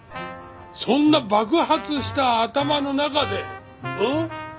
そんな爆発した頭の中でん？